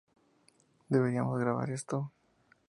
Deberíamos grabar esto.